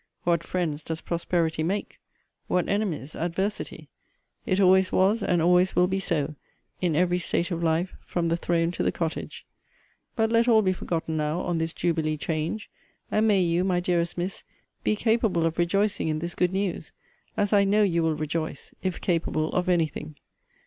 What friends does prosperity make! What enemies adversity! It always was, and always will be so, in every state of life, from the throne to the cottage. But let all be forgotten now on this jubilee change: and may you, my dearest Miss, be capable of rejoicing in this good news; as I know you will rejoice, if capable of any thing.